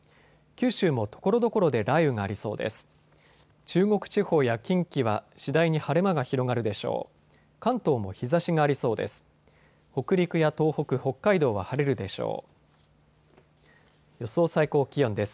九州もところどころで雷雨がありそうです。